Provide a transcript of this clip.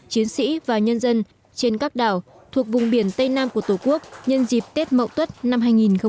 chiến sĩ và nhân dân trên các đảo thuộc vùng biển tây nam của tổ quốc nhân dịp tết mậu tuất năm hai nghìn hai mươi